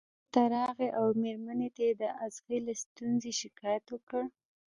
کور ته راغی او مېرمنې ته یې د اغزي له ستونزې شکایت وکړ.